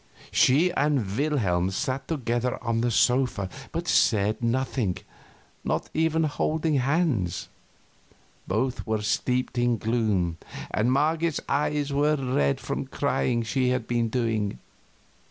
She and Wilhelm sat together on the sofa, but said nothing, and not even holding hands. Both were steeped in gloom, and Marget's eyes were red from the crying she had been doing.